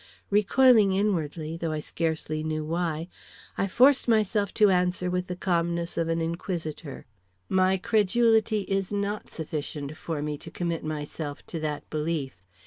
Recoiling inwardly, though I scarcely knew why, I forced myself to answer with the calmness of an inquisitor: "My credulity is not sufficient for me to commit myself to that belief.